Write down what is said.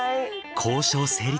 交渉成立。